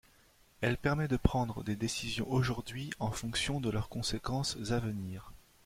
Elle permet de prendre des décisions aujourd’hui en fonction de leurs conséquences à venir.